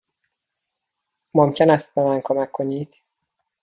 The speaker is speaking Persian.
ممکن است به من کمک کنید؟